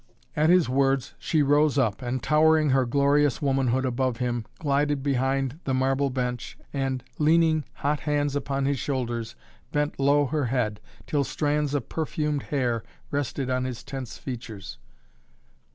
At his words she rose up and, towering her glorious womanhood above him, glided behind the marble bench and, leaning hot hands upon his shoulders, bent low her head, till strands of perfumed hair rested on his tense features.